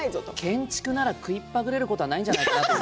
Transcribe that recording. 建築なら食いっぱぐれることはないんじゃないかと。